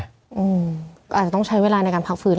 ก็อาจจะต้องใช้เวลาในการพักฟื้น